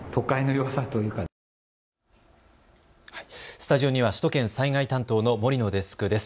スタジオには首都圏災害担当の森野デスクです。